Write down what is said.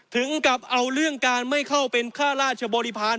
ถึงกับเอาเรื่องการไม่เข้าเป็นค่าราชบริพาณ